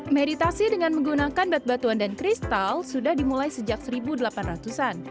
meditasi dengan menggunakan batu batuan dan kristal sudah dimulai sejak seribu delapan ratus an